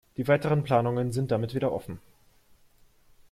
Die weiteren Planungen sind damit wieder offen.